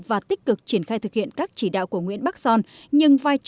và tích cực triển khai thực hiện các chỉ đạo của nguyễn bắc son